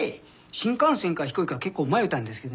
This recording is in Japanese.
新幹線か飛行機か結構迷うたんですけどね